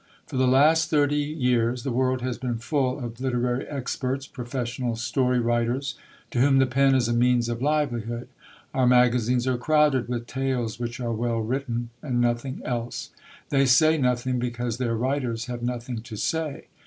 For the last thirty years, the world has been full of literary experts, professional story writers, to whom the pen is a means of livelihood. Our magazines are crowded with tales which are well written, and nothing else. They say nothing, because their writers have nothing to say.